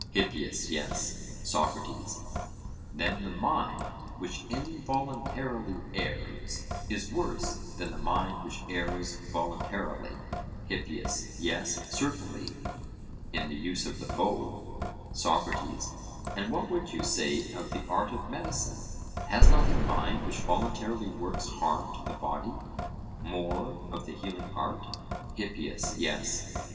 HIPPIAS: Yes. SOCRATES: Then the mind which involuntarily errs is worse than the mind which errs voluntarily? HIPPIAS: Yes, certainly, in the use of the bow. SOCRATES: And what would you say of the art of medicine; has not the mind which voluntarily works harm to the body, more of the healing art? HIPPIAS: Yes.